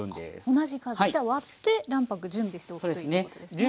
同じ数じゃあ割って卵白準備しておくといいということですね。